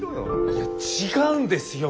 いや違うんですよ